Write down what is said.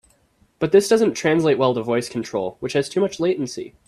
But this doesn't translate well to voice control, which has too much latency.